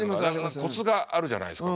コツがあるじゃないですか。